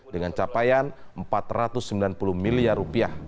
dengan capaian rp empat ratus sembilan puluh miliar